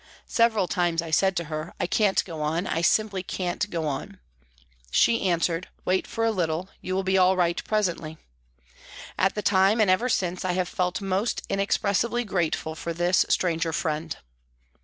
Several times I said to her, " I can't go on ; I simply can't go on." She DEPUTATION TO PRIME MINISTER 47 answered, " Wait for a little, you will be all right presently." At the time and ever since I have felt most inexpressibly grateful to this stranger friend.